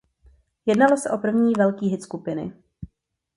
Jednalo se o první velký hit skupiny.